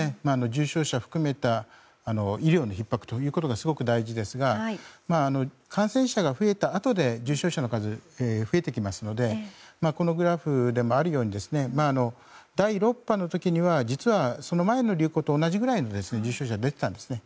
重症者を含めた医療のひっ迫というのがすごく大事ですが感染者が増えたあとで重症者の数が増えていきますのでこのグラフでもあるように第６波の時には実はその前の流行と同じくらいの重症者が出ていたんですね。